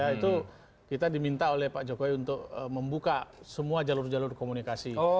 itu kita diminta oleh pak jokowi untuk membuka semua jalur jalur komunikasi